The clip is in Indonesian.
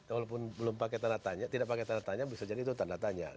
walaupun belum pakai tanda tanya tidak pakai tanda tanya bisa jadi itu tanda tanya